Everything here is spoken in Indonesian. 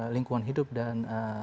lingkungan hidup dan